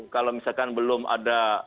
kalau misalkan belum ada